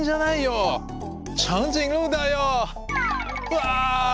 うわ！